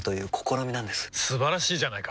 素晴らしいじゃないか！